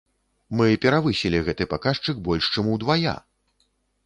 Мы перавысілі гэты паказчык больш чым удвая!